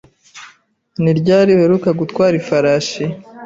Ni ryari uheruka gutwara ifarashi?